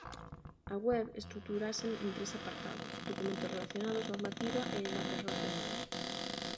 A web estruturase en tres apartados: Documentos relacionados, Normativa e Enlaces relacionados.